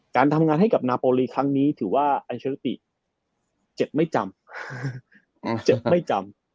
การทำงานให้กับนาโปรลีครั้งนี้ถือว่าอัลเชอร์ติเจ็บไม่จำเจ็บไม่จำ